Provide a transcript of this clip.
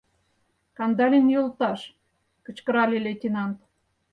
— Кандалин йолташ! — кычкырале лейтенант.